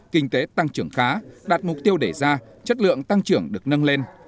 kinh tế tăng trưởng khá đạt mục tiêu để ra chất lượng tăng trưởng được nâng lên